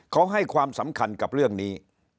เขาให้ความสำคัญกับเรื่องนี้